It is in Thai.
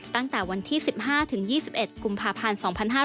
ตั้งแต่วันที่๑๕๒๑กุมภาพันธ์๒๕๕๙